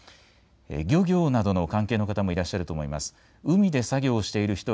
漁業などの関係の方もいらっしゃると思います。